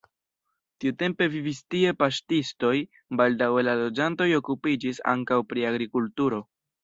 Tiutempe vivis tie paŝtistoj, baldaŭe la loĝantoj okupiĝis ankaŭ pri agrikulturo.